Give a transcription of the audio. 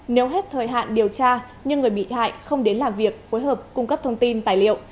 nếu hết thời hạn điều tra nhưng người bị hại không đến làm việc phối hợp cung cấp thông tin tài liệu